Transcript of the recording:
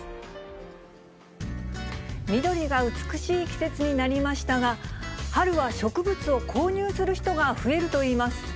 緑が美しい季節になりましたが、春は植物を購入する人が増えるといいます。